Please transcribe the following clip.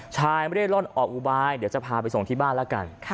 ไม่ได้ร่อนออกอุบายเดี๋ยวจะพาไปส่งที่บ้านแล้วกัน